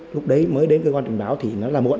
lúc đấy mới đến cơ quan trình báo thì nó là muộn